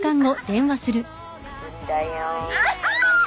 産んだよ。